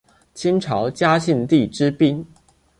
清朝嘉庆帝之嫔。